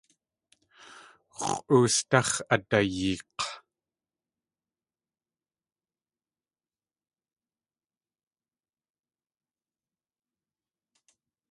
X̲ʼoosdáx̲ adayeek̲.